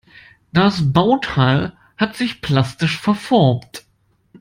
Das Bauteil hat sich plastisch verformt.